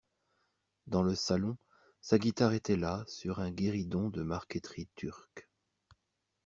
Dans le salon, sa guitare était là, sur un guéridon de marqueterie turque.